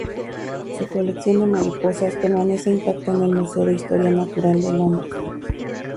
Su colección de mariposas permanece intacta en el Museo de Historia Natural de Londres.